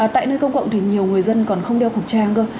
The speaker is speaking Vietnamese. tại nơi công cộng thì nhiều người dân còn không đeo khẩu trang cơ